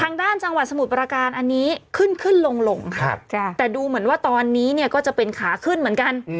ทางด้านจังหวัดสมุดประการอันนี้ขึ้นลงแต่ดูเหมือนว่าตอนนี้ก็จะเป็นขาขึ้นเหมือนกัน